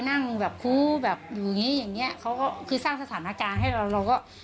นั่งแบบคู้แบบอยู่อย่างงี้อย่างเงี้ยเขาก็คือสร้างสถานการณ์ให้เราเราก็